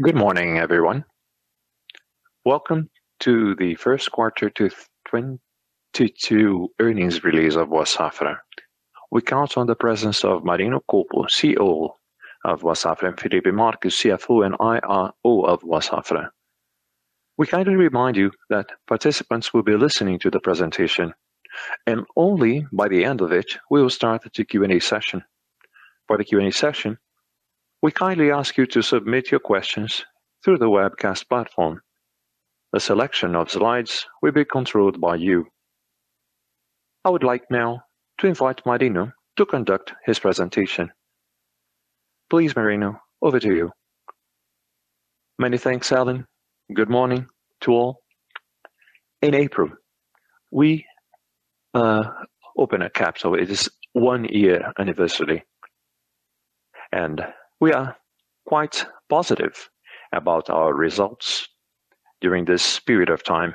Good morning, everyone. Welcome to the first quarter 2022 earnings release of Boa Safra. We count on the presence of Marino Colpo, CEO of Boa Safra, and Felipe Marques, CFO and IRO of Boa Safra. We kindly remind you that participants will be listening to the presentation, and only by the end of it, we will start the Q&A session. For the Q&A session, we kindly ask you to submit your questions through the webcast platform. The selection of slides will be controlled by you. I would like now to invite Marino to conduct his presentation. Please, Marino, over to you. Many thanks, Alan. Good morning to all. In April, we opened a chapter. It is one-year anniversary, and we are quite positive about our results during this period of time.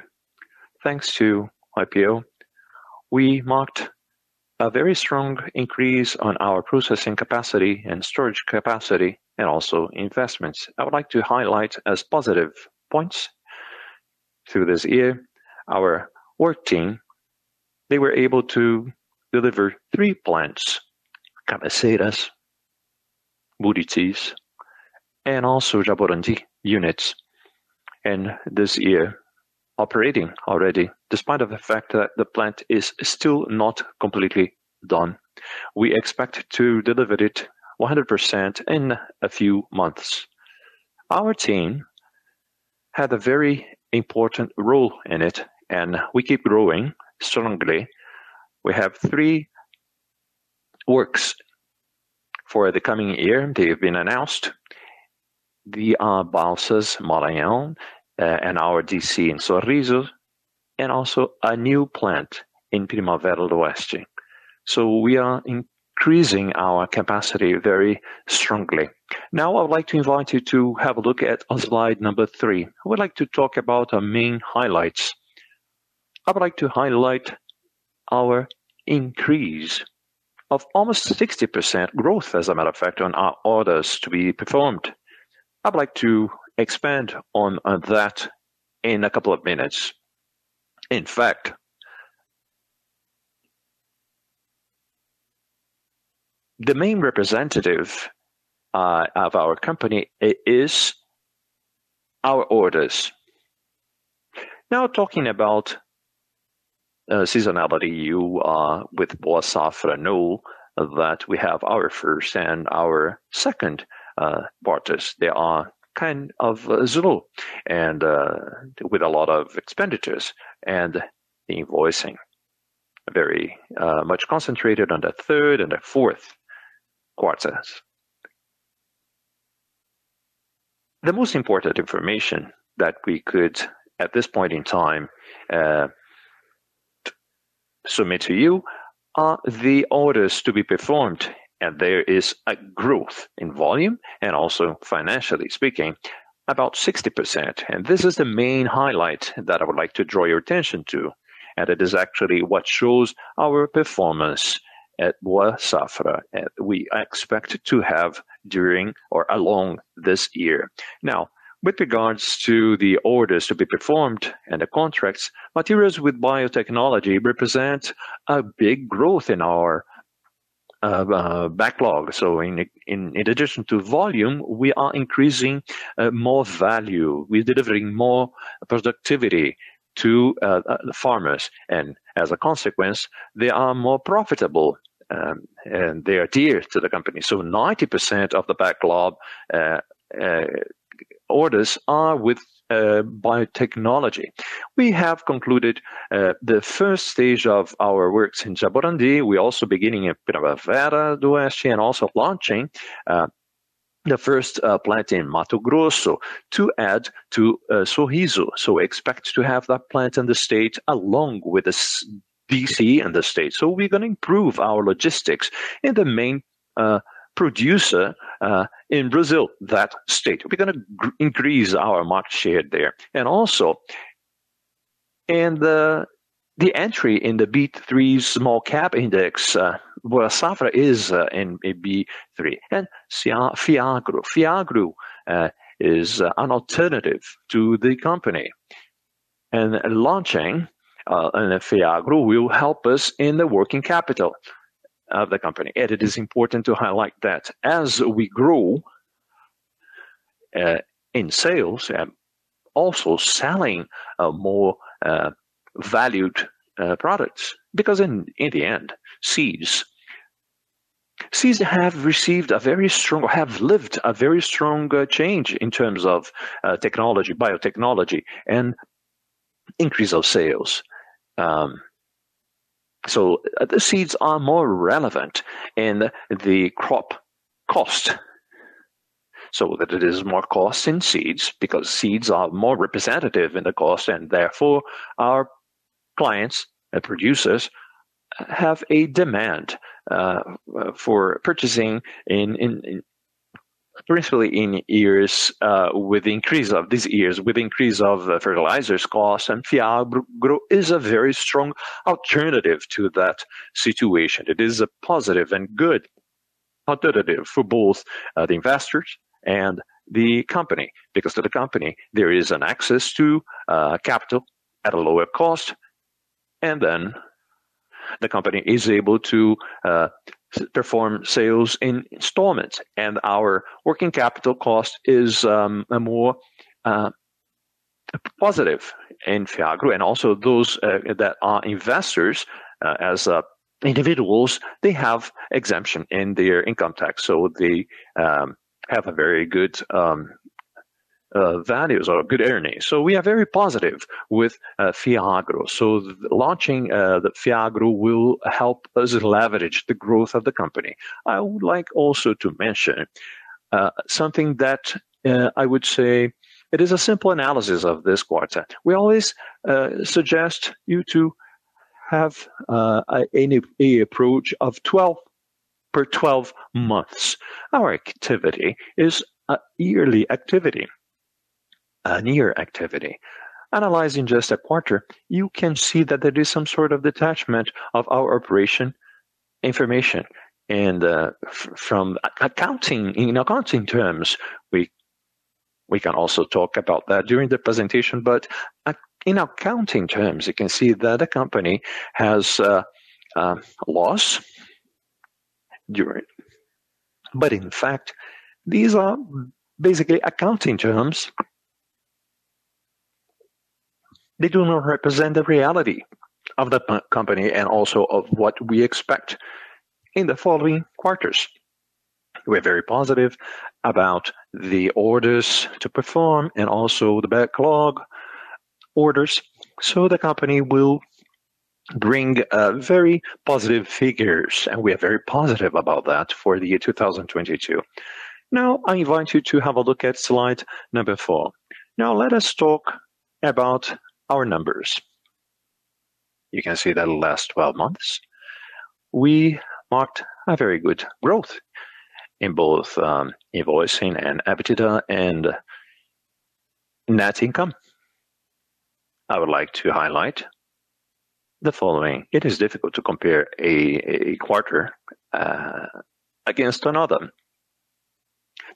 Thanks to IPO, we marked a very strong increase on our processing capacity and storage capacity and also investments. I would like to highlight as positive points through this year, our work team. They were able to deliver three plants, Cabeceiras, Murici, and also Jaborandi units in this year, operating already, despite of the fact that the plant is still not completely done. We expect to deliver it 100% in a few months. Our team had a very important role in it, and we keep growing strongly. We have three works for the coming year. They have been announced. The Balsas, Maranhão, and our DC in Sorriso, and also a new plant in Primavera do Leste. We are increasing our capacity very strongly. Now, I would like to invite you to have a look at slide number 3. I would like to talk about our main highlights. I would like to highlight our increase of almost 60% growth, as a matter of fact, on our orders to be performed. I'd like to expand on that in a couple of minutes. In fact, the main representative of our company is our orders. Now, talking about seasonality, you with Boa Safra know that we have our first and our second quarters. They are kind of slow and with a lot of expenditures and invoicing. Very much concentrated on the third and the fourth quarters. The most important information that we could at this point in time submit to you are the orders to be performed, and there is a growth in volume and also financially speaking, about 60%. This is the main highlight that I would like to draw your attention to, and it is actually what shows our performance at Boa Safra. We expect to have during or along this year. Now, with regards to the orders to be performed and the contracts, materials with biotechnology represent a big growth in our backlog. In addition to volume, we are increasing more value. We're delivering more productivity to the farmers, and as a consequence, they are more profitable, and they adhere to the company. 90% of the backlog orders are with biotechnology. We have concluded the first stage of our works in Jaborandi. We're also beginning a bit of Vera do Oeste and also launching the first plant in Mato Grosso to add to Sorriso. Expect to have that plant in the state along with this DC in the state. We're gonna improve our logistics in the main producer in Brazil, that state. We're gonna increase our market share there. The entry in the B3 Small Cap Index, Boa Safra is in B3 as a Fiagro. Fiagro is an alternative to the company. Launching Fiagro will help us in the working capital of the company. It is important to highlight that as we grow in sales and also selling more valued products, because in the end, seeds have received a very strong or have lived a very strong change in terms of technology, biotechnology and increase of sales. The seeds are more relevant in the crop cost, so that it is more cost in seeds because seeds are more representative in the cost and therefore our clients and producers have a demand for purchasing, principally in years with increase of fertilizers cost and Fiagro is a very strong alternative to that situation. It is a positive and good for both the investors and the company. Because to the company, there is an access to capital at a lower cost, and then the company is able to perform sales in installments. Our working capital cost is a more positive in Fiagro. Also those that are investors as individuals, they have exemption in their income tax, so they have a very good values or good earnings. We are very positive with Fiagro. Launching the Fiagro will help us leverage the growth of the company. I would like also to mention something that I would say it is a simple analysis of this quarter. We always suggest you to have an LTM approach per 12 months. Our activity is a yearly activity. Analyzing just a quarter, you can see that there is some sort of detachment from our operational information and from accounting. In accounting terms, we can also talk about that during the presentation. In accounting terms, you can see that the company has a loss. In fact, these are basically accounting terms. They do not represent the reality of the company and also of what we expect in the following quarters. We're very positive about the orders to perform and also the backlog orders. The company will bring very positive figures, and we are very positive about that for the year 2022. Now, I invite you to have a look at slide number 4. Now let us talk about our numbers. You can see that in the last 12 months, we marked a very good growth in both invoicing and EBITDA and net income. I would like to highlight the following. It is difficult to compare a quarter against another.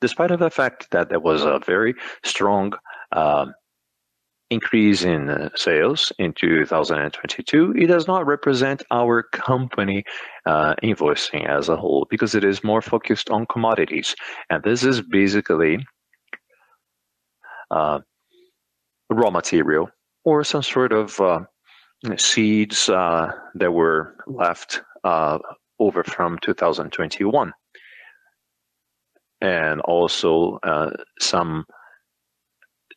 Despite of the fact that there was a very strong increase in sales in 2022, it does not represent our company invoicing as a whole, because it is more focused on commodities. This is basically raw material or some sort of seeds that were left over from 2021. Also some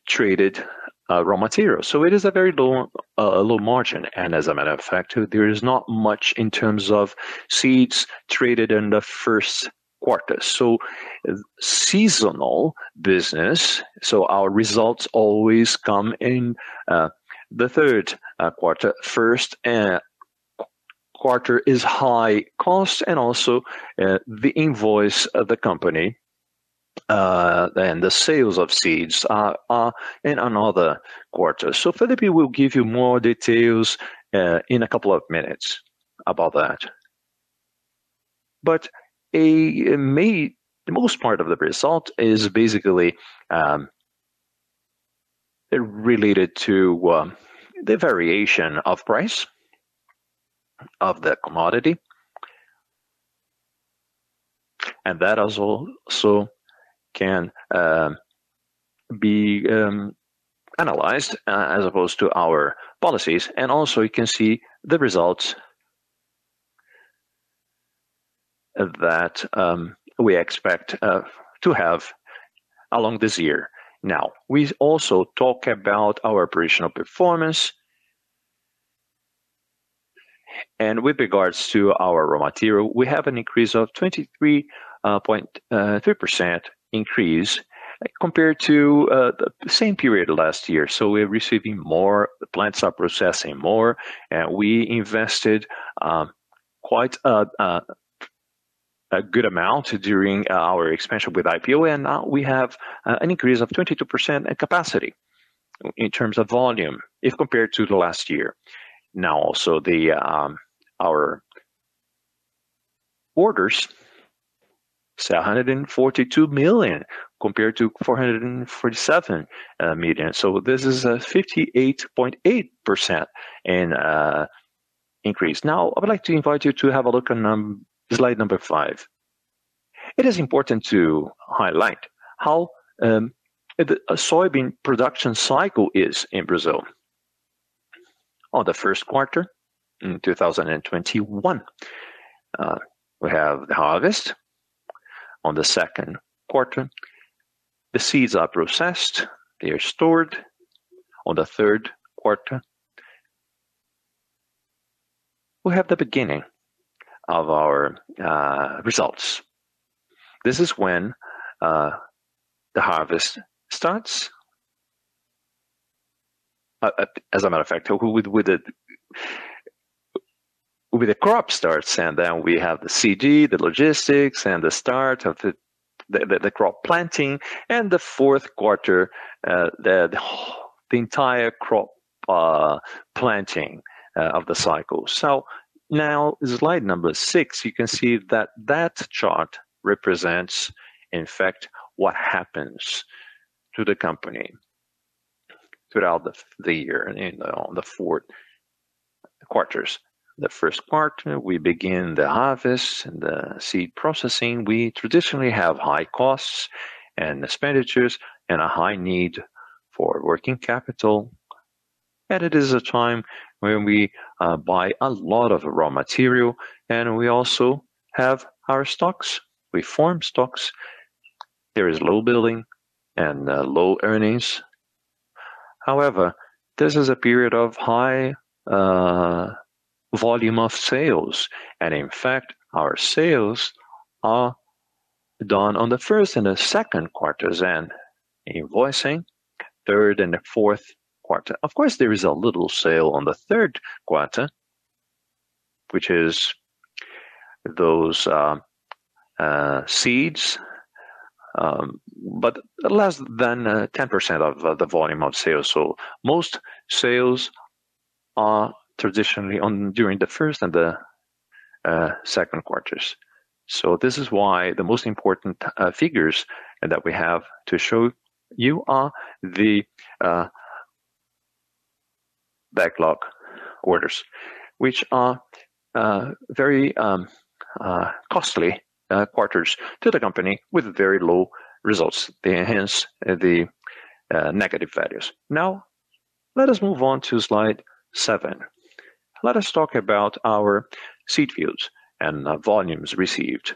traded raw materials. It is a very low margin. As a matter of fact, there is not much in terms of seeds traded in the first quarter. Seasonal business, our results always come in the third quarter. First quarter is high cost and also the invoicing of the company. Then the sales of seeds are in another quarter. Felipe will give you more details in a couple of minutes about that. The most part of the result is basically related to the variation of price of the commodity. That also can be analyzed as per our policies. Also you can see the results that we expect to have along this year. Now, we also talk about our operational performance. With regards to our raw material, we have an increase of 23.3% compared to the same period last year. We're receiving more, the plants are processing more. We invested quite a good amount during our expansion with IPO, and now we have an increase of 22% in capacity in terms of volume if compared to the last year. Now, also our orders is 142 million compared to 447 million. This is a 58.8% increase. Now, I would like to invite you to have a look on slide 5. It is important to highlight how a soybean production cycle is in Brazil. On the first quarter in 2021, we have the harvest. On the second quarter, the seeds are processed, they are stored. On the third quarter, we have the beginning of our results. This is when the harvest starts. As a matter of fact, with the crop starts, and then we have the seed, the logistics, and the start of the crop planting and the fourth quarter, the entire crop planting of the cycle. Now slide number 6, you can see that chart represents, in fact, what happens to the company throughout the year and on the four quarters. The first part, we begin the harvest and the seed processing. We traditionally have high costs and expenditures and a high need for working capital. It is a time when we buy a lot of raw material, and we also have our stocks. We form stocks. There is low billing and low earnings. However, this is a period of high volume of sales, and in fact, our sales are done in the first and the second quarters, and invoicing in the third and the fourth quarter. Of course, there is a little sale in the third quarter, which is those seeds, but less than 10% of the volume of sales. Most sales are traditionally in the first and the second quarters. This is why the most important figures that we have to show you are the backlog orders, which are very costly quarters to the company with very low results. They enhance the negative values. Now, let us move on to slide seven. Let us talk about our seed fields and volumes received.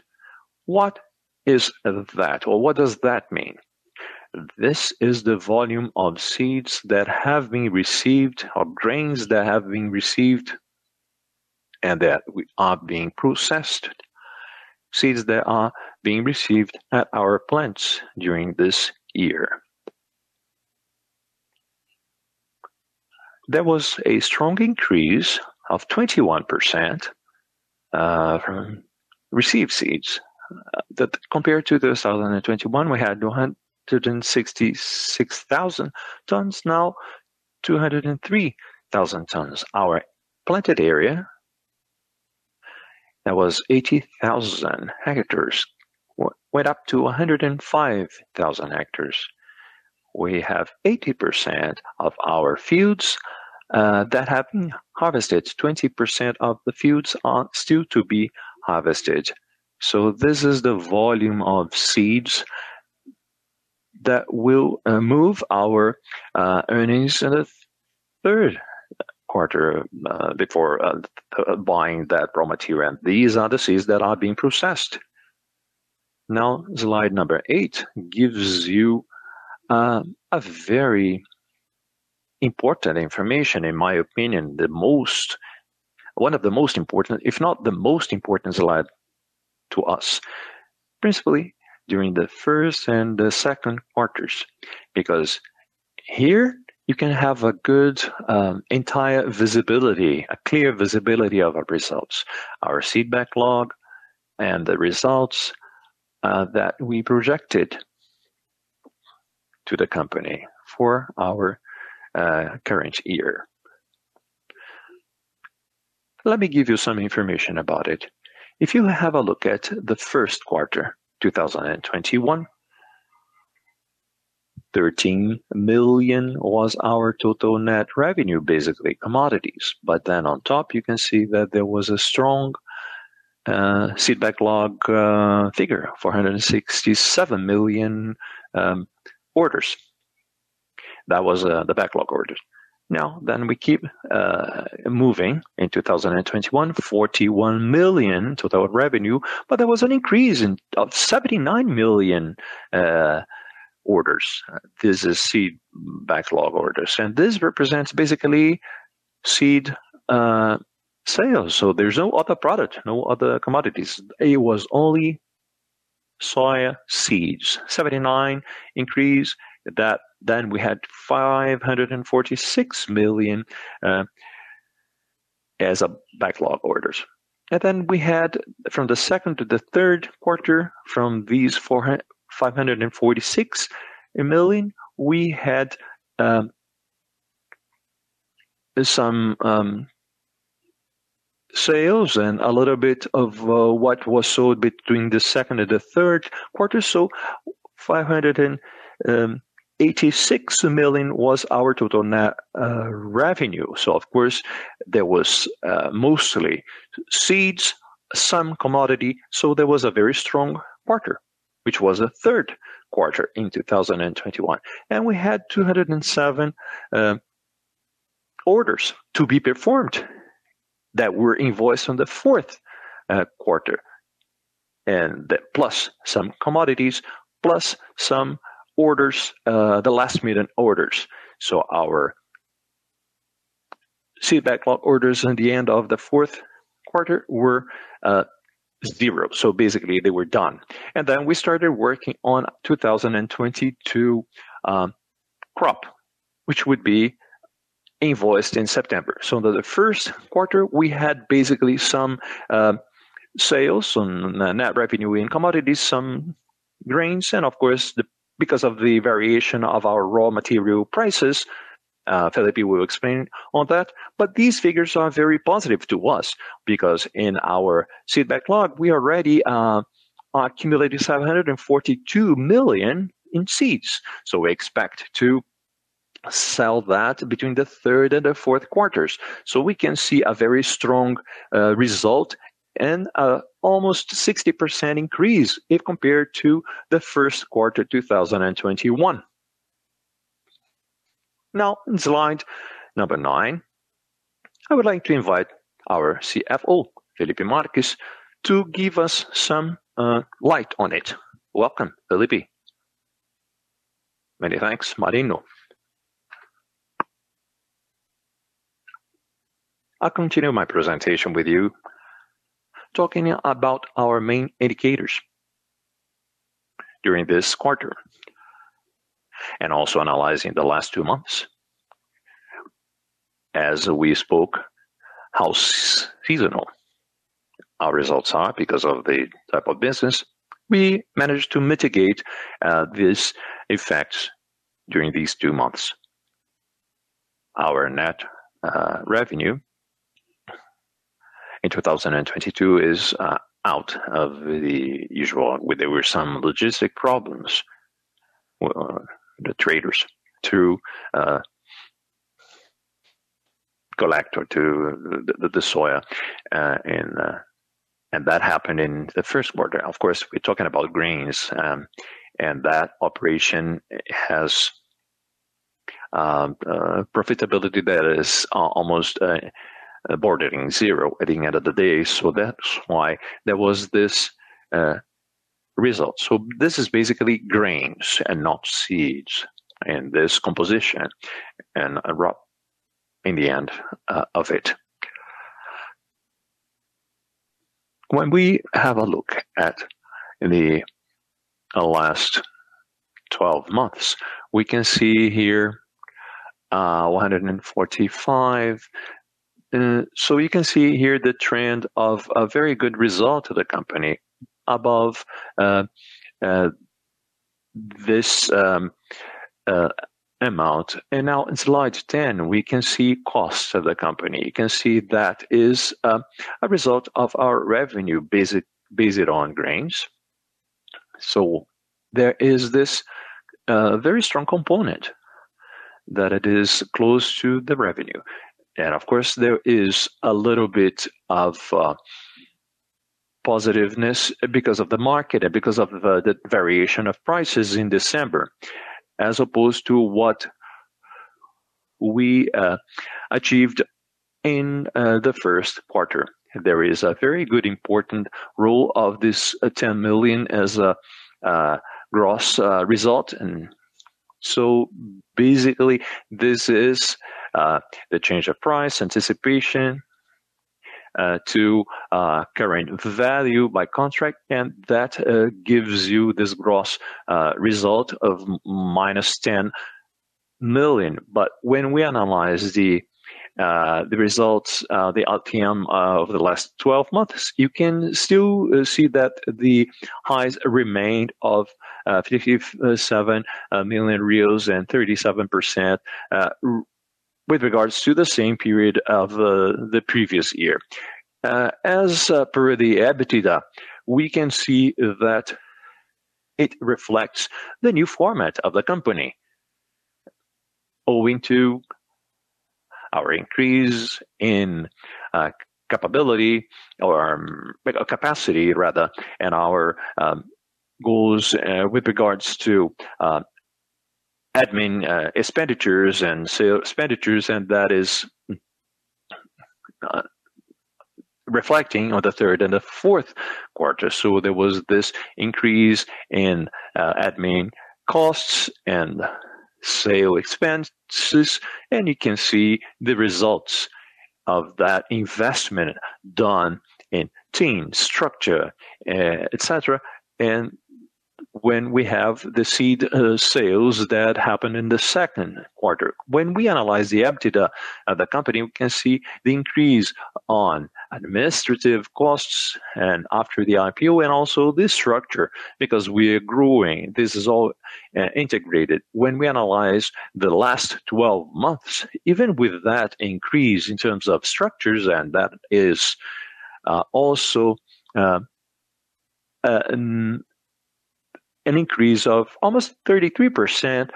What is that? Or what does that mean? This is the volume of seeds that have been received or grains that have been received and that are being processed. Seeds that are being received at our plants during this year. There was a strong increase of 21% from received seeds. That compared to 2021, we had 266,000 tons, now 203,000 tons. Our planted area that was 80,000 hectares went up to 105,000 hectares. We have 80% of our fields that have been harvested. 20% of the fields are still to be harvested. This is the volume of seeds that will move our earnings in the third quarter before buying that raw material. These are the seeds that are being processed. Now, slide number 8 gives you a very important information, in my opinion, one of the most important, if not the most important slide to us, principally during the first and the second quarters. Because here you can have a good entire visibility, a clear visibility of our results, our seed backlog, and the results that we projected to the company for our current year. Let me give you some information about it. If you have a look at the first quarter, 2021, 13 million was our total net revenue, basically commodities. On top you can see that there was a strong seed backlog figure, 467 million orders. That was the backlog orders. We keep moving. In 2021, 41 million total revenue, but there was an increase of 79 million orders. This is seed backlog orders, and this represents basically seed sales. There's no other product, no other commodities. It was only soya seeds. 79 million increase that then we had 546 million as a backlog orders. We had from the second to the third quarter, from these 546 million, some sales and a little bit of what was sold between the second and the third quarter. 586 million was our total net revenue. Of course there was mostly seeds, some commodity. There was a very strong quarter, which was the third quarter in 2021. We had 207 orders to be performed that were invoiced on the fourth quarter, plus some commodities, plus some orders, the last minute orders. Our seed backlog orders at the end of the fourth quarter were zero. Basically they were done. We started working on 2022 crop, which would be invoiced in September. The first quarter, we had basically some sales on net revenue in commodities, some grains, and of course, because of the variation of our raw material prices, Felipe will explain on that. These figures are very positive to us because in our seed backlog, we already accumulated 742 million in seeds. We expect to sell that between the third and the fourth quarters. We can see a very strong result and almost 60% increase if compared to the first quarter, 2021. Now, in slide number 9, I would like to invite our CFO, Felipe Marques, to give us some light on it. Welcome, Felipe. Many thanks, Marino. I'll continue my presentation with you talking about our main indicators during this quarter and also analyzing the last two months. As we spoke, how seasonal our results are because of the type of business, we managed to mitigate this effect during these two months. Our net revenue in 2022 is out of the usual. There were some logistical problems. Well, the traders to collect the soy, and that happened in the first quarter. Of course, we're talking about grains, and that operation has profitability that is almost bordering zero at the end of the day. That's why there was this result. This is basically grains and not seeds in this composition and a rough end of it. When we have a look at the last twelve months, we can see here 145. You can see here the trend of a very good result of the company above this amount. Now in slide 10, we can see costs of the company. You can see that is a result of our revenue base based on grains. There is this very strong component that it is close to the revenue. Of course, there is a little bit of positiveness because of the market and because of the variation of prices in December, as opposed to what we achieved in the first quarter. There is a very good important role of this 10 million as a gross result. Basically, this is the change of price anticipation to current value by contract, and that gives you this gross result of -10 million. When we analyze the results, the LTM over the last twelve months, you can still see that the highs remained of 57 million and 37% with regards to the same period of the previous year. As per the EBITDA, we can see that it reflects the new format of the company owing to our increase in capability or capacity rather, and our goals with regards to admin expenditures and sale expenditures, and that is reflecting on the third and the fourth quarter. There was this increase in admin costs and sale expenses, and you can see the results of that investment done in team structure, et cetera. When we have the seed sales that happened in the second quarter. When we analyze the EBITDA of the company, we can see the increase on administrative costs and after the IPO and also this structure because we are growing. This is all integrated. When we analyze the last twelve months, even with that increase in terms of structures, and that is also an increase of almost 33%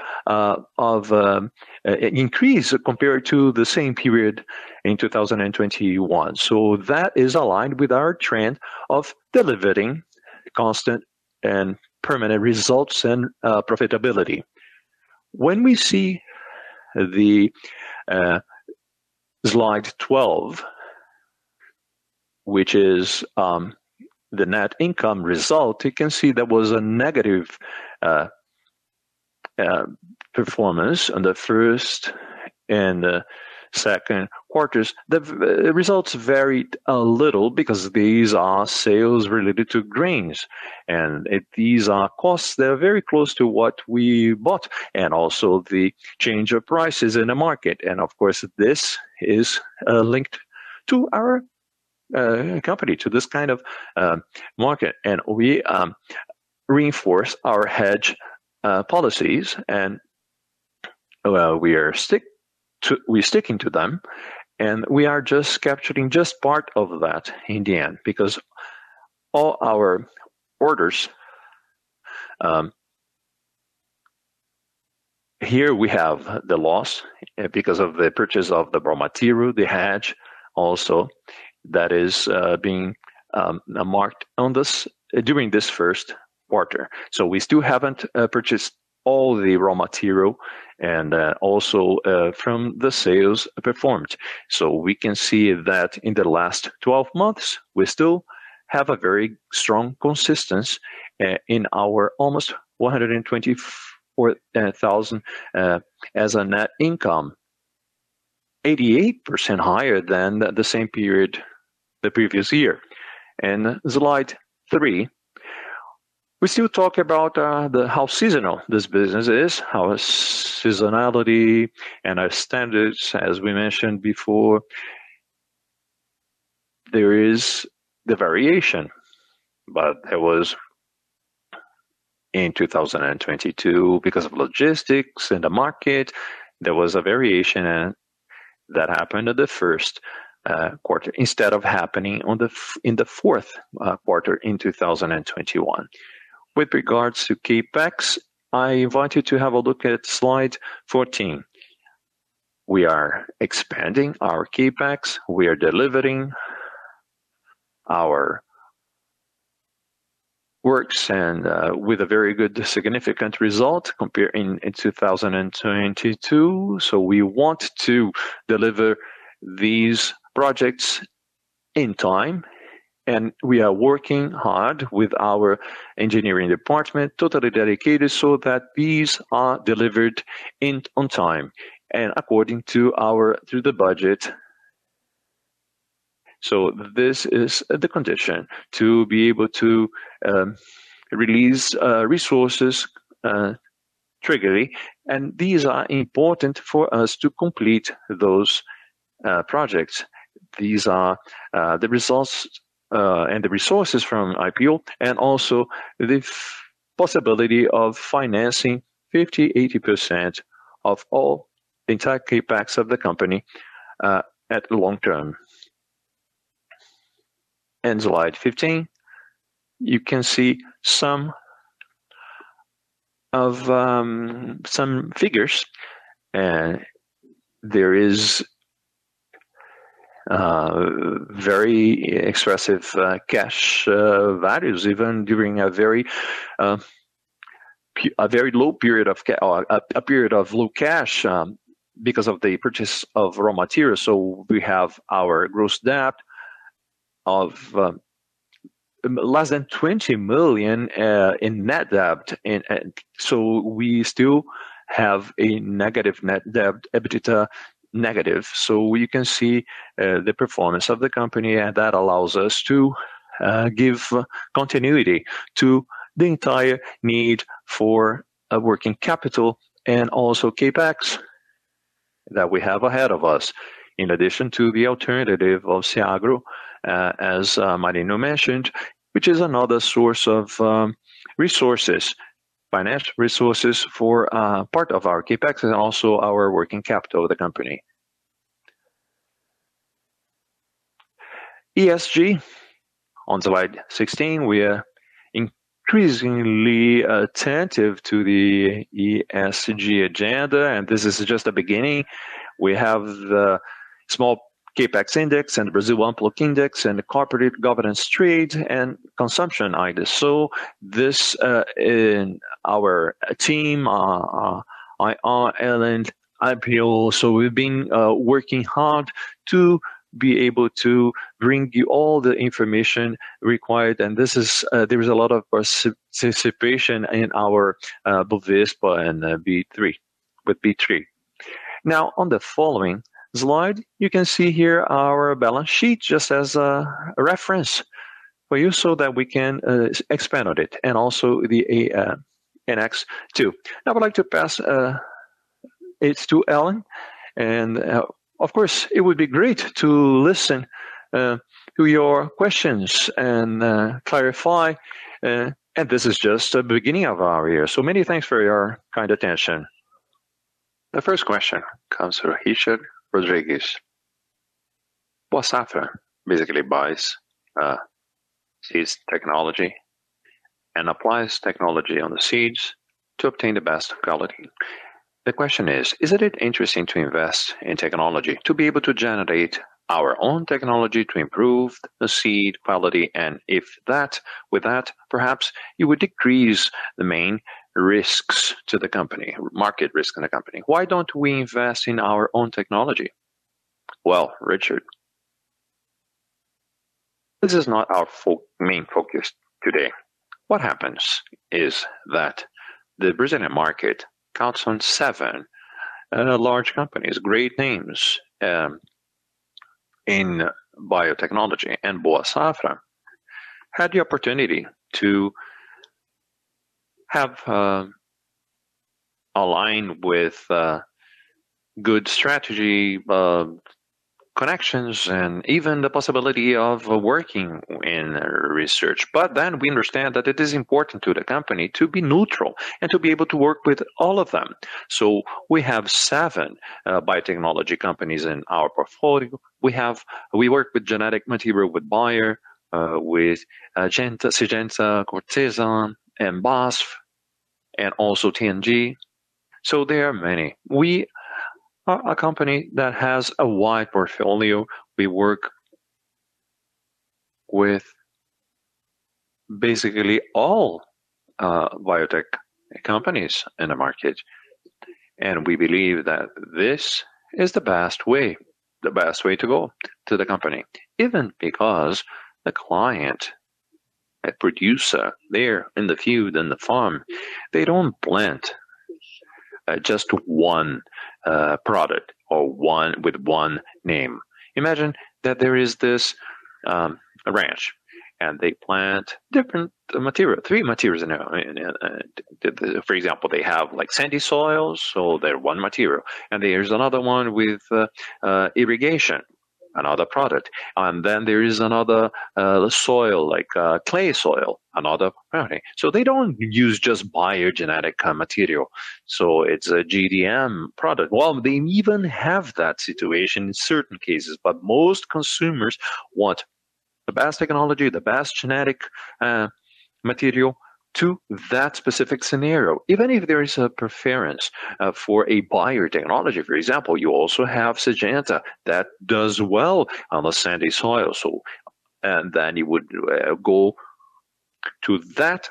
compared to the same period in 2021. That is aligned with our trend of delivering constant and permanent results and profitability. When we see the slide 12, which is the net income result, you can see there was a negative performance on the first and second quarters. The results varied a little because these are sales related to grains. These are costs that are very close to what we bought and also the change of prices in the market. Of course, this is linked to our company, to this kind of market. We reinforce our hedge policies and, well, we're sticking to them, and we are just capturing just part of that in the end because all our orders. Here we have the loss because of the purchase of the raw material, the hedge also that is being marked to market during this first quarter. We still haven't purchased all the raw material and also from the sales performed. We can see that in the last 12 months, we still have a very strong consistency in our almost 124,000 as a net income, 88% higher than the same period the previous year. Slide three, we still talk about the how seasonal this business is, how seasonality and our standards, as we mentioned before, there is the variation. It was in 2022 because of logistics in the market, there was a variation that happened at the first quarter instead of happening in the fourth quarter in 2021. With regards to CapEx, I invite you to have a look at slide 14. We are expanding our CapEx. We are delivering our works and with a very good significant result comparing in 2022. We want to deliver these projects in time, and we are working hard with our engineering department, totally dedicated, so that these are delivered on time and according to our budget. This is the condition to be able to release resources, triggering, and these are important for us to complete those projects. These are the results and the resources from IPO and also the possibility of financing 50-80% of all entire CapEx of the company at long term. Slide 15, you can see some of some figures. There is very expressive cash values even during a very low period of cash or a period of low cash because of the purchase of raw materials. We have our gross debt of less than 20 million in net debt. We still have a negative net debt, EBITDA negative. We can see the performance of the company, and that allows us to give continuity to the entire need for a working capital and also CapEx that we have ahead of us. In addition to the alternative of Fiagro, as Marino mentioned, which is another source of resources, financial resources for part of our CapEx and also our working capital of the company. ESG on slide 16, we are increasingly attentive to the ESG agenda, and this is just the beginning. We have the Small Cap Index and Brasil ON Index and the corporate governance trade and consumption items. This in our team IR and IPO. We've been working hard to be able to bring you all the information required. This is there is a lot of participation in our Bovespa and B3 with B3. Now, on the following slide, you can see here our balance sheet just as a reference for you so that we can expand on it and also the Annex II. Now I would like to pass it to Alan and of course it would be great to listen to your questions and clarify and this is just the beginning of our year. Many thanks for your kind attention. The first question comes from Ricardo Monegaglia Neto. Boa Safra basically buys seeds technology and applies technology on the seeds to obtain the best quality. The question is, isn't it interesting to invest in technology to be able to generate our own technology to improve the seed quality? And if that, with that, perhaps you would decrease the main risks to the company, market risk in the company. Why don't we invest in our own technology? Well, Ricardo Monegaglia Neto, this is not our main focus today. What happens is that the Brazilian market counts on 7 large companies, great names, in biotechnology and Boa Safra had the opportunity to have align with good strategy, connections, and even the possibility of working in research. We understand that it is important to the company to be neutral and to be able to work with all of them. We have seven biotechnology companies in our portfolio. We work with genetic material with Bayer, with Syngenta, Corteva, and BASF, and also TMG. There are many. We are a company that has a wide portfolio. We work with basically all biotech companies in the market, and we believe that this is the best way, the best way to go to the company. Even because the client, a producer there in the field, in the farm, they don't plant just one product or one with one name. Imagine that there is this a ranch, and they plant different material, three materials in there. For example, they have like sandy soils, so they're one material. There's another one with irrigation, another product. Then there is another soil, like a clay soil, another product. They don't use just biogenetic material. It's a GDM product. Well, they even have that situation in certain cases. Most consumers want the best technology, the best genetic material to that specific scenario. Even if there is a preference for a biotechnology, for example, you also have Syngenta that does well on the sandy soil. You would go to that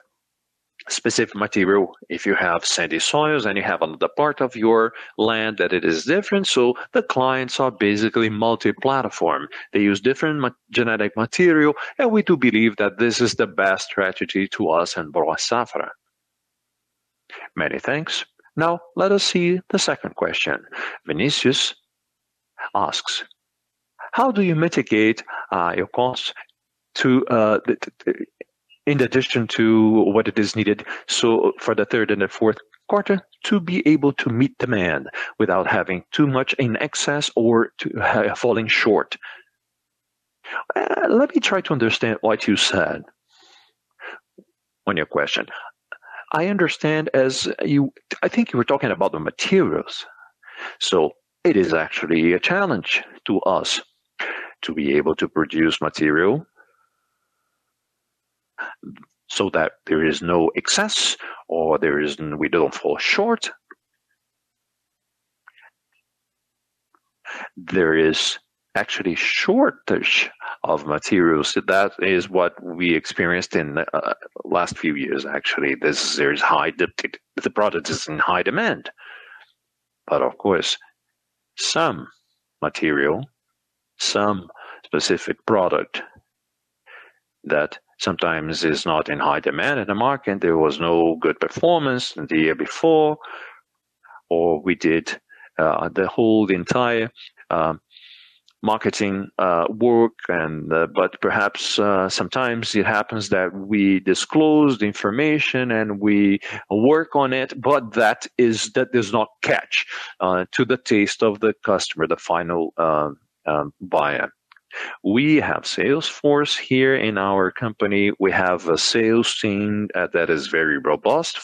specific material if you have sandy soils and you have on the part of your land that it is different. The clients are basically multi-platform. They use different genetic material, and we do believe that this is the best strategy to us and Boa Safra. Many thanks. Now let us see the second question. Vinicius asks, "How do you mitigate your costs to, in addition to what it is needed, so for the third and the fourth quarter, to be able to meet demand without having too much in excess or to falling short?" Let me try to understand what you said on your question. I understand. I think you were talking about the materials. It is actually a challenge to us to be able to produce material so that there is no excess or we don't fall short. There is actually shortage of materials. That is what we experienced in the last few years, actually. There's high demand. The product is in high demand. Of course, some material, some specific product that sometimes is not in high demand in the market, there was no good performance the year before, or we did the whole entire marketing work and, but perhaps sometimes it happens that we disclose the information and we work on it, but that does not catch to the taste of the customer, the final buyer. We have sales force here in our company. We have a sales team that is very robust.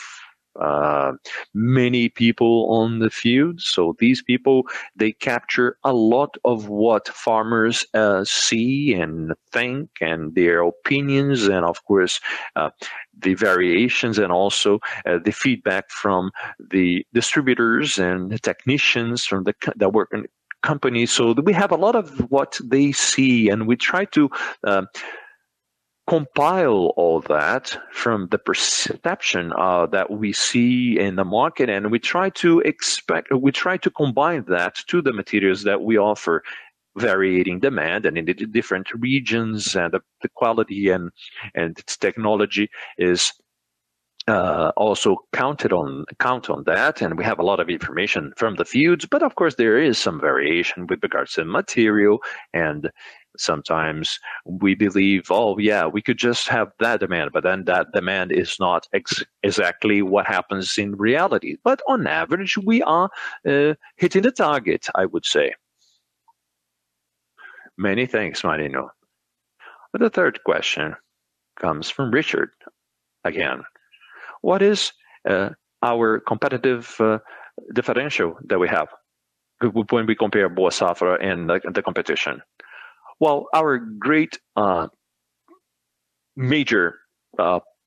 Many people on the field. These people, they capture a lot of what farmers see and think and their opinions and of course the variations and also the feedback from the distributors and the technicians that work in the company. We have a lot of what they see, and we try to compile all that from the perspective that we see in the market, and we try to combine that to the materials that we offer, varying demand and in the different regions and the quality and its technology is also count on that. We have a lot of information from the fields. Of course, there is some variation with regards to material. Sometimes we believe, oh, yeah, we could just have that demand, but then that demand is not exactly what happens in reality. On average, we are hitting the target, I would say. Many thanks, Marino. The third question comes from Ricardo again. What is our competitive differential that we have when we compare Boa Safra and the competition? Well, our great major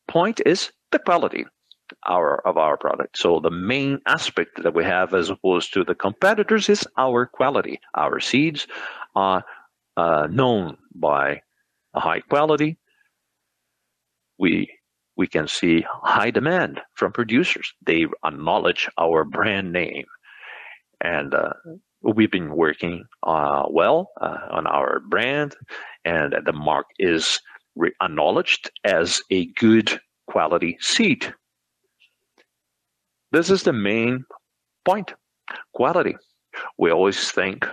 point is the quality of our product. The main aspect that we have as opposed to the competitors is our quality. Our seeds are known by a high quality. We can see high demand from producers. They acknowledge our brand name. We've been working well on our brand, and the mark is re-acknowledged as a good quality seed. This is the main point, quality. We always think,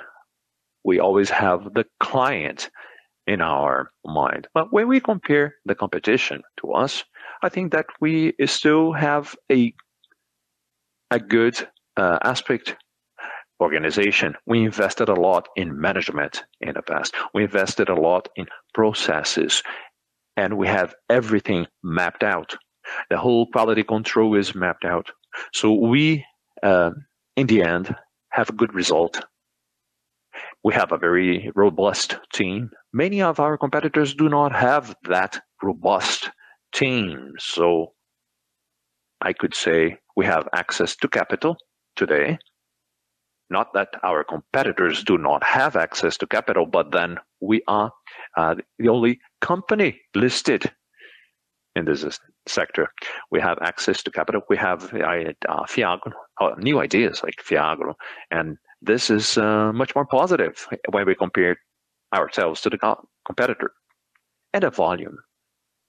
we always have the client in our mind. When we compare the competition to us, I think that we still have a good aspect organization. We invested a lot in management in the past. We invested a lot in processes, and we have everything mapped out. The whole quality control is mapped out. We in the end have a good result. We have a very robust team. Many of our competitors do not have that robust team. I could say we have access to capital today. Not that our competitors do not have access to capital, but then we are the only company listed in this sector. We have access to capital. We have Fiagro, new ideas like Fiagro, and this is much more positive when we compare ourselves to the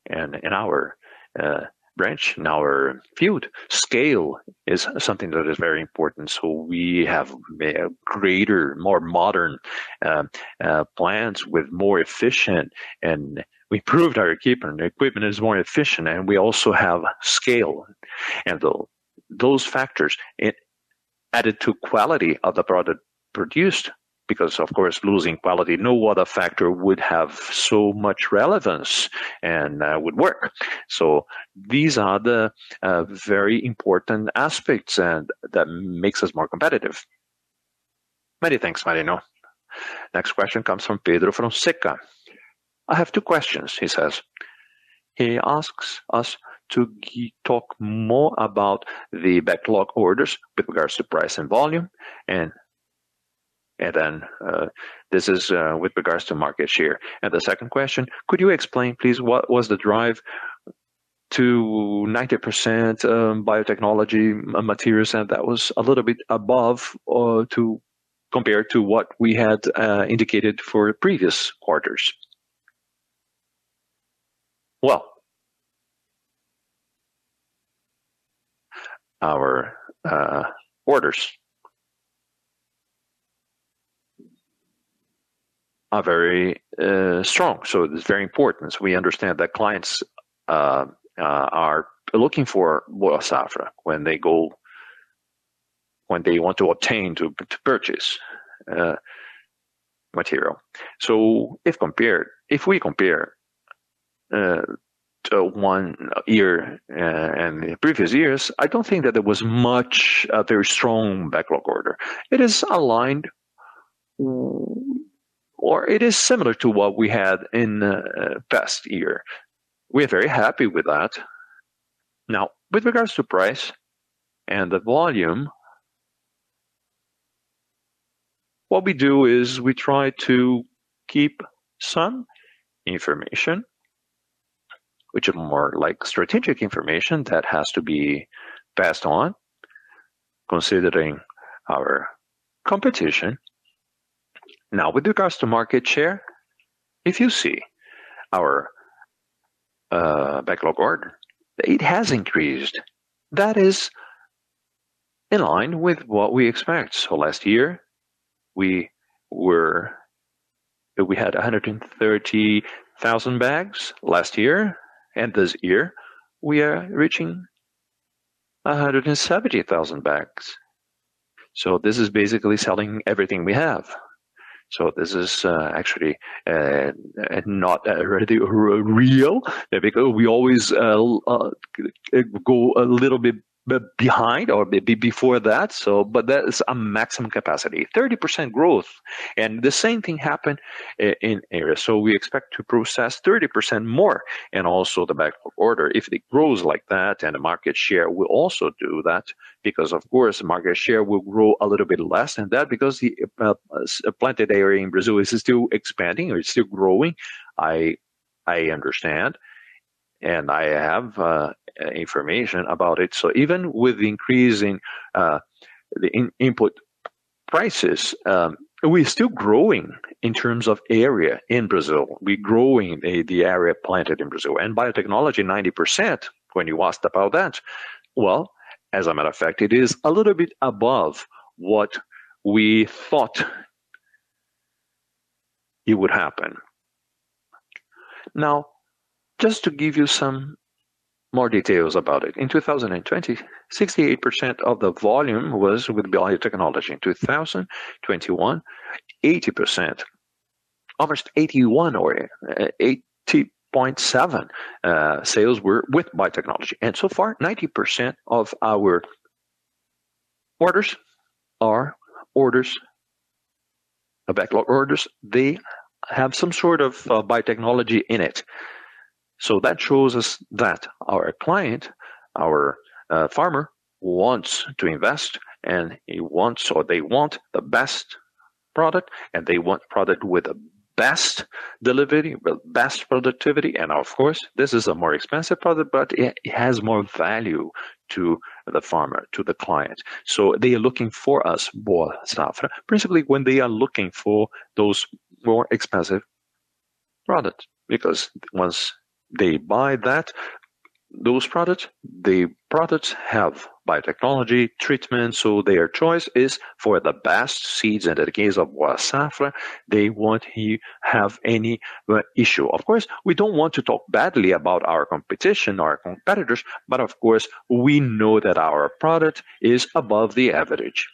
competitor. A volume. In our branch, in our field, scale is something that is very important. We have a greater, more modern plants with more efficient, and we improved our equipment. The equipment is more efficient, and we also have scale. Those factors added to quality of the product produced because, of course, losing quality, no other factor would have so much relevance and would work. These are the very important aspects and that makes us more competitive. Many thanks, Marino. Next question comes from Pedro Fonseca. "I have two questions," he says. He asks us to talk more about the backlog orders with regards to price and volume and then this is with regards to market share. The second question, could you explain please what was the driver to 90% biotechnology materials? And that was a little bit above or too compared to what we had indicated for previous quarters. Well, our orders are very strong, so it's very important. We understand that clients are looking for Boa Safra when they go. When they want to purchase material. If we compare to one year and the previous years, I don't think that there was much a very strong backlog order. It is similar to what we had in the past year. We're very happy with that. Now, with regards to price and the volume, what we do is we try to keep some information, which are more like strategic information that has to be passed on considering our competition. Now, with regards to market share, if you see our backlog order, it has increased. That is in line with what we expect. Last year, we had 130,000 bags last year, and this year we are reaching 170,000 bags. This is basically selling everything we have. This is actually not really real because we always go a little bit behind or before that. That is a maximum capacity, 30% growth. The same thing happened in area. We expect to process 30% more. Also the backlog order, if it grows like that and the market share will also do that because of course, market share will grow a little bit less than that because the planted area in Brazil is still expanding or it's still growing. I understand, and I have information about it. Even with increasing the input prices, we're still growing in terms of area in Brazil. We're growing the area planted in Brazil. Biotechnology, 90% when you asked about that, well, as a matter of fact, it is a little bit above what we thought it would happen. Now, just to give you some more details about it. In 2020, 68% of the volume was with biotechnology. In 2021, 80%. Almost 81 or 80.7, sales were with biotechnology. So far, 90% of our orders are backlog orders. They have some sort of biotechnology in it. That shows us that our client, our farmer wants to invest and he wants or they want the best product and they want product with the best delivery, best productivity. Of course, this is a more expensive product, but it has more value to the farmer, to the client. They are looking for us, Boa Safra. Principally when they are looking for those more expensive product. Because once they buy that, those products, the products have biotechnology treatment, so their choice is for the best seeds. In the case of Boa Safra, they won't have any issue. Of course, we don't want to talk badly about our competition, our competitors, but of course, we know that our product is above the average.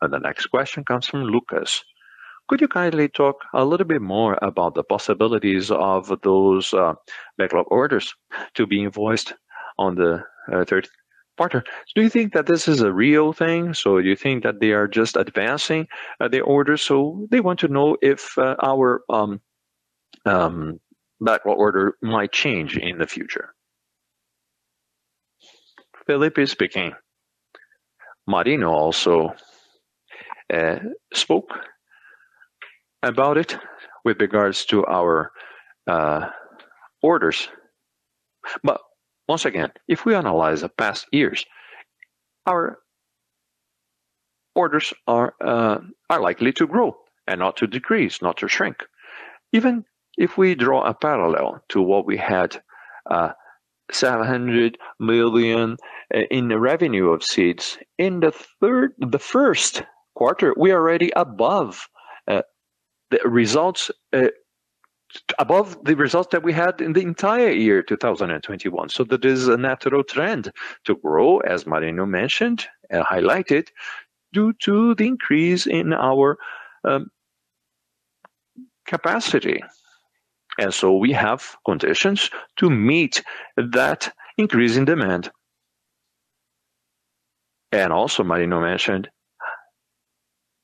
The next question comes from Lucas. Could you kindly talk a little bit more about the possibilities of those backlog orders to be invoiced on the third quarter? Do you think that this is a real thing, so you think that they are just advancing the order? They want to know if our backlog order might change in the future. Felipe Marques speaking. Marino also spoke about it with regards to our orders. Once again, if we analyze the past years, our orders are likely to grow and not to decrease, not to shrink. Even if we draw a parallel to what we had, 700 million in the revenue of seeds, in the first quarter, we are already above the results that we had in the entire year, 2021. That is a natural trend to grow, as Marino mentioned and highlighted, due to the increase in our capacity. We have conditions to meet that increase in demand. Also Marino mentioned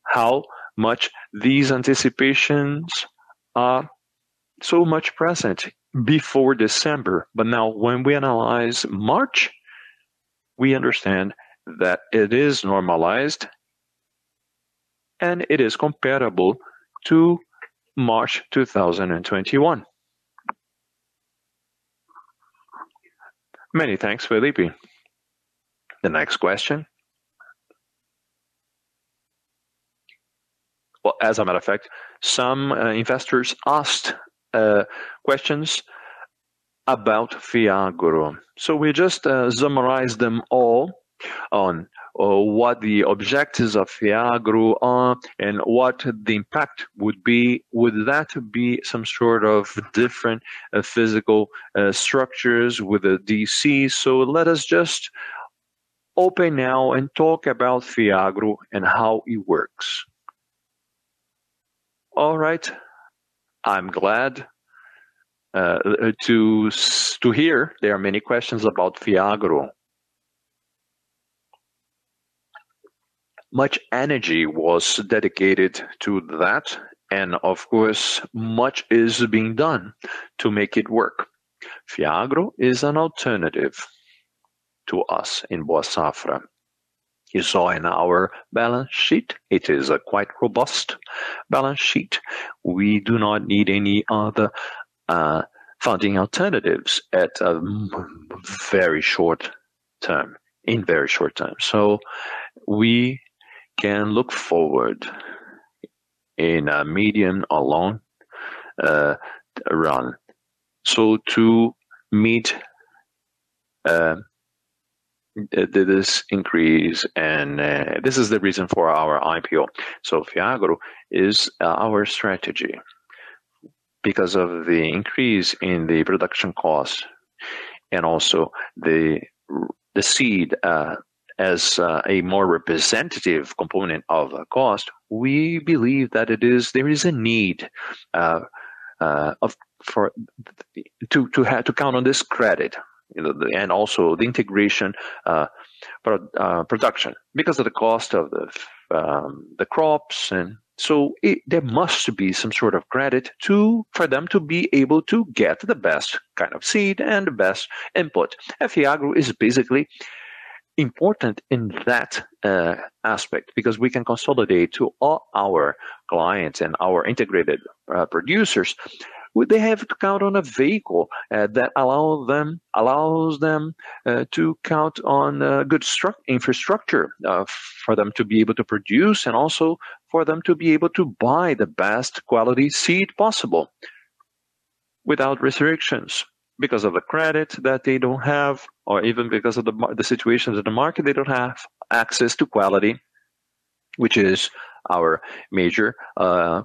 how much these anticipations are so much present before December. Now when we analyze March, we understand that it is normalized and it is comparable to March 2021. Many thanks, Felipe. The next question. Well, as a matter of fact, some investors asked questions about Fiagro. We just summarized them all on what the objectives of Fiagro are and what the impact would be. Would that be some sort of different physical structures with the DC? Let us just open now and talk about Fiagro and how it works. All right. I'm glad to hear there are many questions about Fiagro. Much energy was dedicated to that, and of course, much is being done to make it work. Fiagro is an alternative to us in Boa Safra. You saw in our balance sheet, it is a quite robust balance sheet. We do not need any other funding alternatives at a very short term. We can look forward in a medium or long run. To meet this increase and this is the reason for our IPO. Fiagro is our strategy. Because of the increase in the production cost and also the seed as a more representative component of the cost, we believe that there is a need for to count on this credit, you know, and also the integrated production because of the cost of the crops. There must be some sort of credit for them to be able to get the best kind of seed and the best input. Fiagro is basically important in that aspect because we can consolidate to all our clients and our integrated producers. Would they have to count on a vehicle that allows them to count on a good infrastructure for them to be able to produce and also for them to be able to buy the best quality seed possible without restrictions because of the credit that they don't have or even because of the situations in the market, they don't have access to quality, which is our major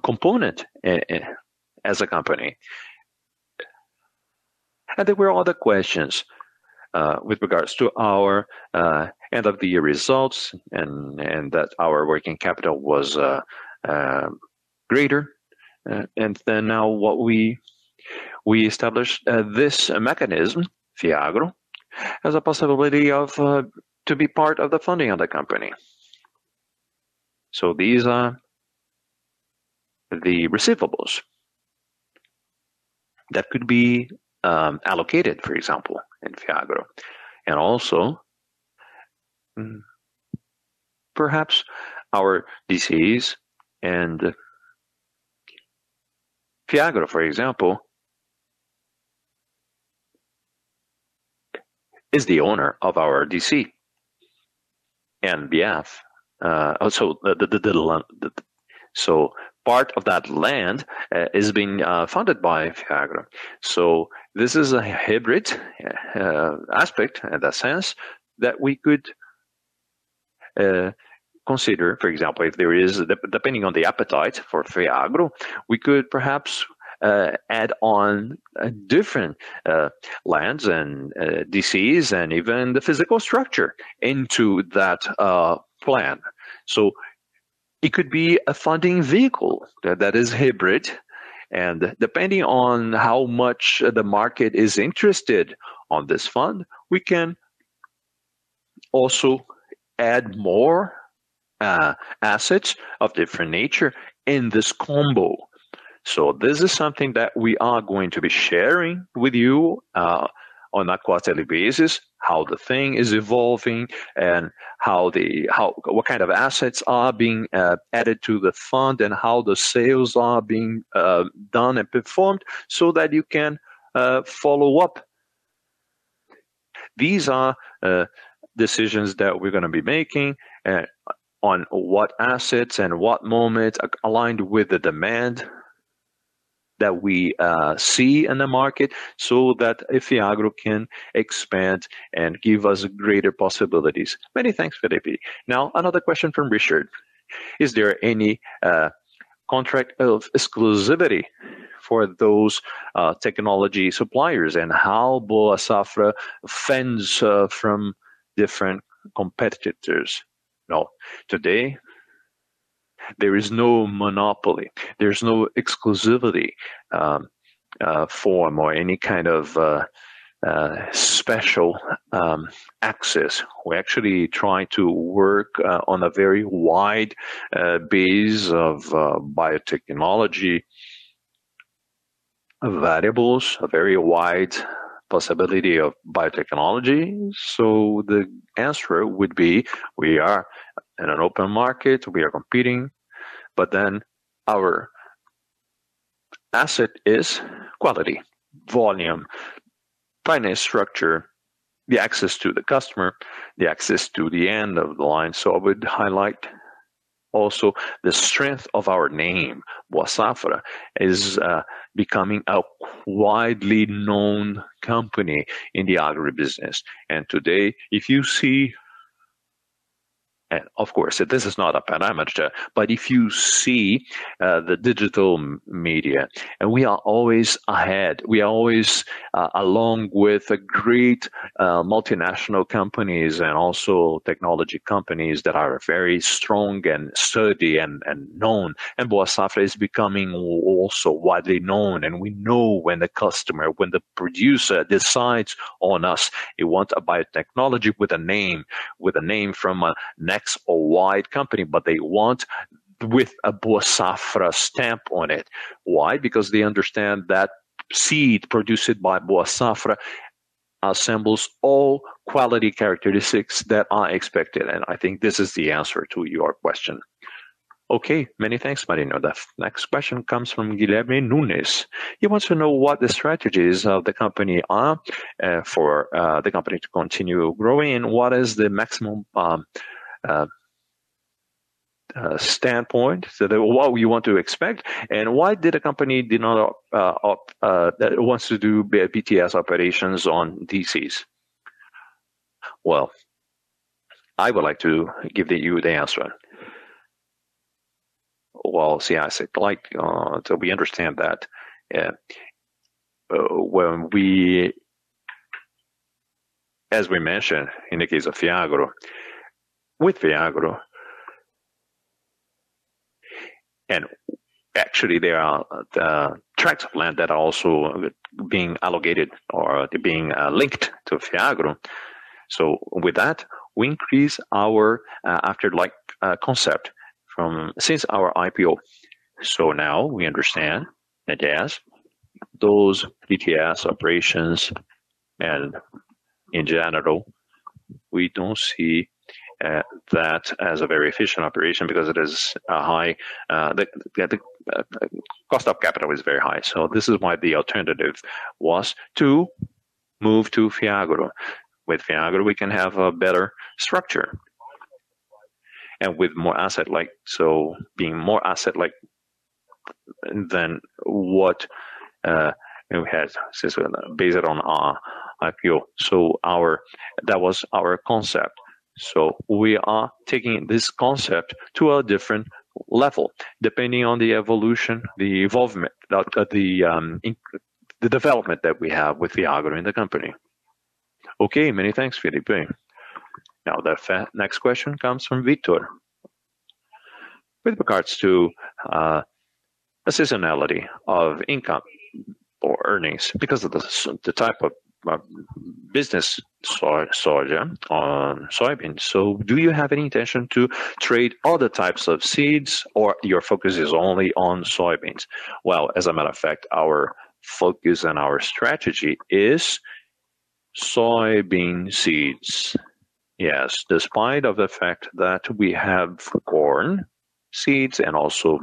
component as a company. There were other questions with regards to our end of the year results and that our working capital was greater. Now what we established this mechanism, Fiagro, as a possibility of to be part of the funding of the company. These are the receivables that could be allocated, for example, in Fiagro. Also, perhaps our DCs and Fiagro, for example. Is the owner of our DC and BF. Also the land. Part of that land is being funded by Fiagro. This is a hybrid aspect in the sense that we could consider, for example, if there is, depending on the appetite for Fiagro, we could perhaps add on different lands and DCs and even the physical structure into that plan. It could be a funding vehicle that is hybrid and depending on how much the market is interested in this fund, we can also add more assets of different nature in this combo. This is something that we are going to be sharing with you on a quarterly basis, how the thing is evolving and what kind of assets are being added to the fund and how the sales are being done and performed so that you can follow up. These are decisions that we're gonna be making on what assets and what moments aligned with the demand that we see in the market so that Fiagro can expand and give us greater possibilities. Many thanks, Felipe. Now, another question from Richard. Is there any contract of exclusivity for those technology suppliers and how Boa Safra fends off different competitors? Now, today, there is no monopoly. There's no exclusivity, formal or any kind of special access. We actually try to work on a very wide base of biotechnology variables, a very wide possibility of biotechnology. The answer would be we are in an open market, we are competing, but then our asset is quality, volume, financial structure, the access to the customer, the access to the end of the line. I would highlight also the strength of our name. Boa Safra is becoming a widely known company in the agribusiness. Today, if you see, of course this is not a parameter, but if you see the digital media and we are always ahead, we are always along with the great multinational companies and also technology companies that are very strong and sturdy and known, and Boa Safra is becoming also widely known. We know when the customer, when the producer decides on us, he wants a biotechnology with a name from a next or wide company, but they want with a Boa Safra stamp on it. Why? Because they understand that seed produced by Boa Safra assembles all quality characteristics that are expected, and I think this is the answer to your question. Okay. Many thanks, Marino. The next question comes from Guilherme Nunes. He wants to know what the strategies of the company are for the company to continue growing and what is the maximum standpoint. What we want to expect and why did the company did not wants to do BTS operations on DCs? Well, I would like to give you the answer. Well, see, I said like, so we understand that, when we... As we mentioned in the case of Fiagro, with Fiagro and actually there are tracts of land that are also being allocated or being linked to Fiagro. With that, we increase our asset-like concept since our IPO. Now we understand that as those BTS operations and in general, we don't see that as a very efficient operation because it is high. The cost of capital is very high. This is why the alternative was to move to Fiagro. With Fiagro we can have a better structure and with more asset like so being more asset like than what we had since based on our IPO. That was our concept. We are taking this concept to a different level depending on the evolution, the evolvement, the development that we have with Fiagro in the company. Okay, many thanks, Felipe. Now the next question comes from Victor. With regards to seasonality of income or earnings because of the type of business, soybeans. Do you have any intention to trade other types of seeds or your focus is only on soybeans? Well, as a matter of fact, our focus and our strategy is soybean seeds. Yes, despite of the fact that we have corn seeds and also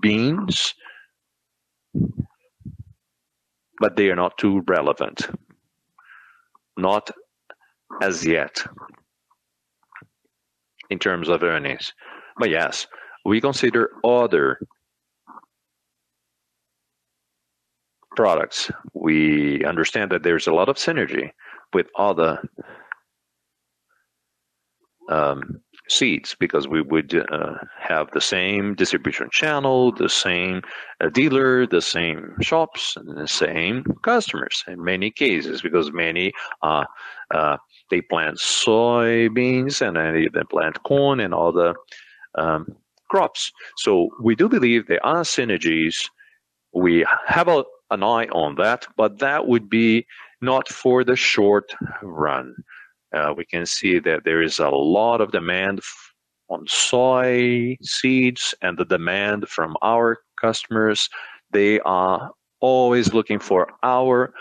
beans. But they are not too relevant, not as yet in terms of earnings. But yes, we consider other products. We understand that there's a lot of synergy with other seeds because we would have the same distribution channel, the same dealer, the same shops and the same customers in many cases, because many they plant soybeans and they plant corn and other crops. We do believe there are synergies. We have an eye on that, but that would be not for the short run. We can see that there is a lot of demand for soy seeds and the demand from our customers. They are always looking for our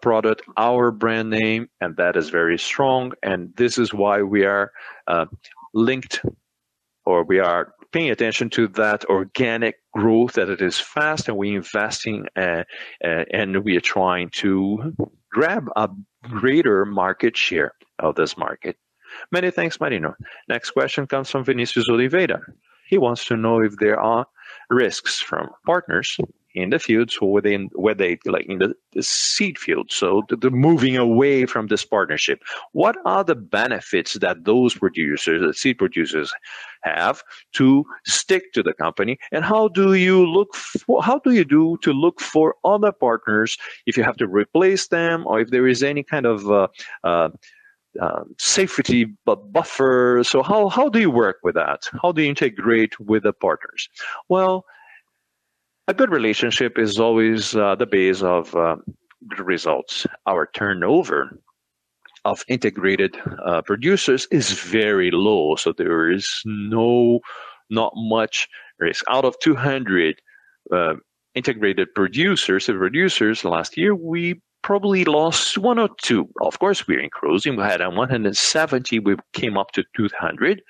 product, our brand name, and that is very strong. This is why we are linked or we are paying attention to that organic growth, that it is fast and we're investing and we are trying to grab a greater market share of this market. Many thanks, Marino. Next question comes from Vinicius Oliveira. He wants to know if there are risks from partners in the fields, like in the seed field. The moving away from this partnership. What are the benefits that those producers, the seed producers have to stick to the company and how do you look for other partners if you have to replace them or if there is any kind of safety buffer? How do you work with that? How do you integrate with the partners? Well, a good relationship is always the base of good results. Our turnover of integrated producers is very low, so there is not much risk. Out of 200 integrated producers last year, we probably lost 1 or 2. Of course, we're increasing. We had 170, we came up to 200.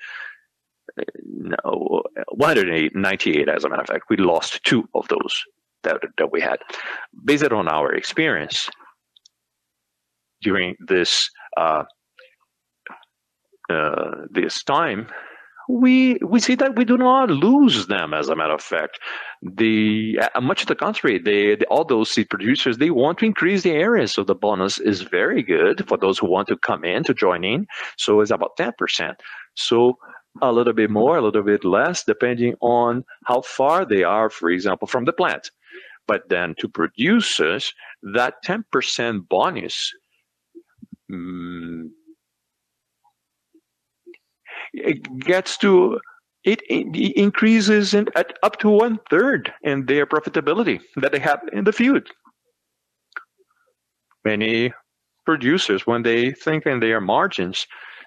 No, 198 as a matter of fact. We lost two of those that we had. Based on our experience during this time, we see that we do not lose them as a matter of fact. Much to the contrary, all those seed producers they want to increase the area, so the bonus is very good for those who want to come in to join in. It's about 10%. A little bit more, a little bit less, depending on how far they are, for example, from the plant. Then to producers, that 10% bonus, it increases it up to one third in their profitability that they have in the field. Many producers when they think in their margins,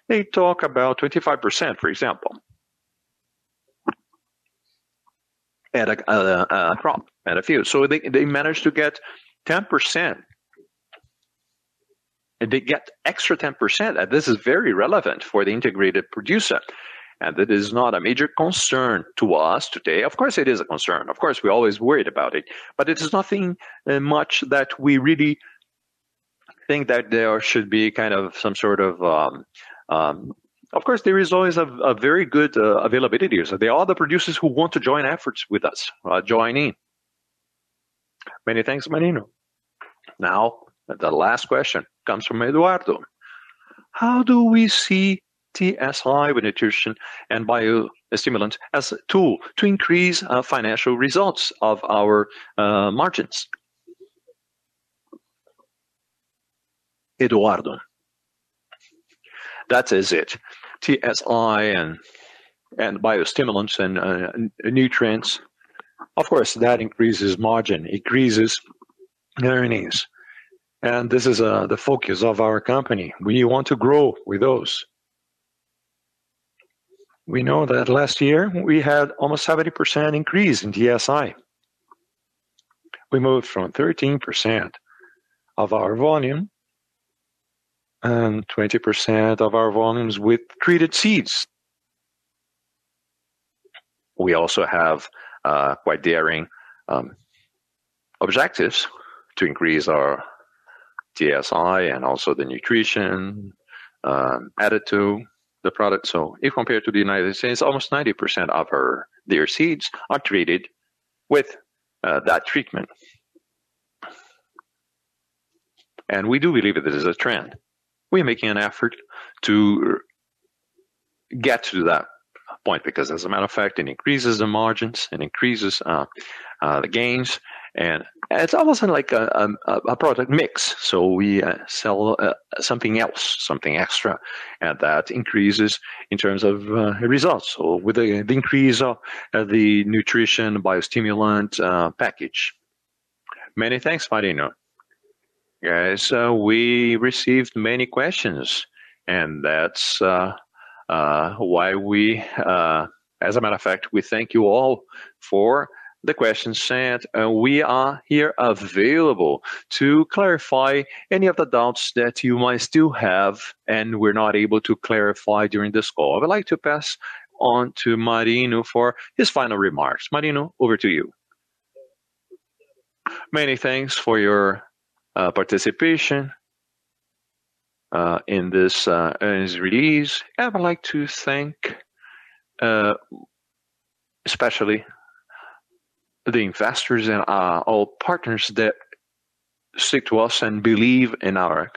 they talk about 25%, for example. At a crop, at a field. They manage to get 10% and they get extra 10%, and this is very relevant for the integrated producer. It is not a major concern to us today. Of course it is a concern. Of course, we're always worried about it. It is nothing much that we really think that there should be kind of some sort of. Of course, there is always a very good availability. There are the producers who want to join efforts with us, join in. Many thanks, Marino. Now, the last question comes from Eduardo. How do we see TSI with nutrition and biostimulant as a tool to increase financial results of our margins? Eduardo. That is it. TSI and biostimulants and nutrients. Of course, that increases margin, increases earnings. This is the focus of our company. We want to grow with those. We know that last year we had almost 70% increase in TSI. We moved from 13% of our volume and 20% of our volumes with treated seeds. We also have quite daring objectives to increase our TSI and also the nutrition added to the product. If compared to the United States, almost 90% of our soy seeds are treated with that treatment. We do believe that this is a trend. We're making an effort to get to that point because as a matter of fact, it increases the margins, it increases the gains. It's almost like a product mix. We sell something else, something extra, and that increases in terms of results or with the increase of the nutrition biostimulant package. Many thanks, Marino. Guys, we received many questions, and that's why, as a matter of fact, we thank you all for the questions sent. We are here available to clarify any of the doubts that you might still have, and we're not able to clarify during this call. I would like to pass on to Marino for his final remarks. Marino, over to you. Many thanks for your participation in this earnings release. I would like to thank especially the investors and our partners that stick to us and believe in our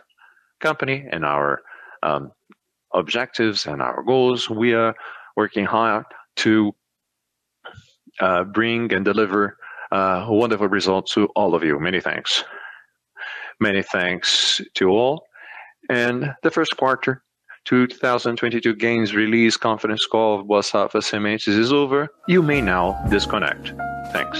company and our objectives and our goals. We are working hard to bring and deliver wonderful results to all of you. Many thanks. Many thanks to all. The first quarter 2022 earnings release conference call for Boa Safra Sementes is over. You may now disconnect. Thanks.